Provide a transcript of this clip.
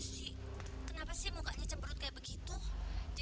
sekarang lebih baik fatima dan adik adiknya